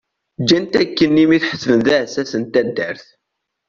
Ǧǧan-t akken imi t-ḥesben d aɛessas n taddart.